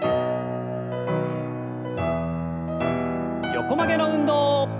横曲げの運動。